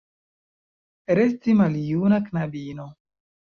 Resti maljuna knabino.